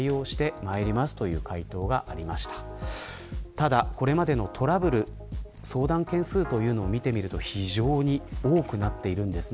ただ、これまでのトラブル相談件数というのを見てみると非常に多くなっています。